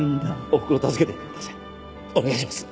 お願いします。